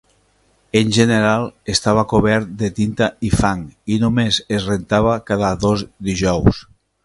En general estava cobert de tinta i fang i només es rentava cada dos dijous.